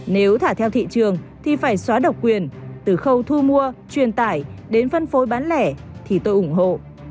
nếu thả theo thị trường thì phải xóa độc quyền từ khâu thu mua truyền tải đến phân phối bán lẻ thì tôi ủng hộ